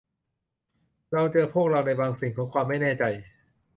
เราเจอพวกเราในบางสิ่งของความไม่แน่ใจ